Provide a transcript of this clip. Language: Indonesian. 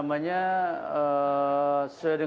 se dengan yang diputuskan oleh pak aceng